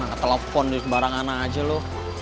enggak telepon di kebarangana aja lo